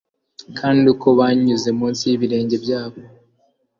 Kandi uko banyuze munsi yibirenge byabo